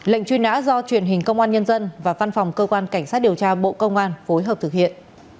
lệnh truy nã do truyền hình công an nhân dân và văn phòng cơ quan cảnh sát điều tra bộ công an phối hợp thực hiện